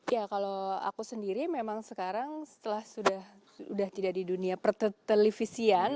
ya kalau aku sendiri memang sekarang setelah sudah tidak di dunia pertelevisian